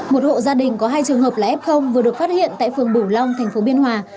một hộ gia đình có hai trường hợp là f vừa được phát hiện tại phường bửu long thành phố biên hòa